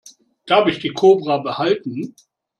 Darf ich die Kobra behalten?